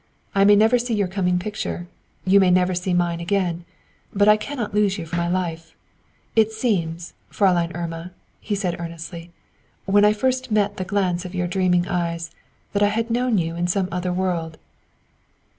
I may never see your coming picture; you may never see mine again. But I cannot lose you from my life. It seemed, Fräulein Irma," he said, earnestly, "when I first met the glance of your dreaming eyes, that I had known you in some other world."